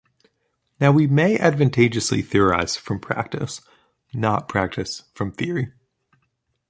Now we may advantageously theorize from practice, not practice from theory.